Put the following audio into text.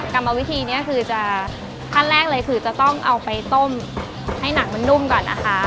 กรรมวิธีนี้คือจะขั้นแรกเลยคือจะต้องเอาไปต้มให้หนังมันนุ่มก่อนนะคะ